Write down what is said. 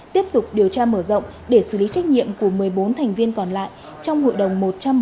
tiếp tục điều tra mở rộng để xử lý trách nhiệm của một mươi bốn thành viên còn lại trong hội đồng một trăm ba mươi